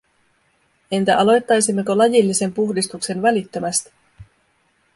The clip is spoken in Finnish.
Entä aloittaisimmeko lajillisen puhdistuksen välittömästi?